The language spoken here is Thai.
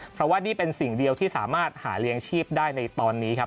เพราะว่านี่เป็นสิ่งเดียวที่สามารถหาเลี้ยงชีพได้ในตอนนี้ครับ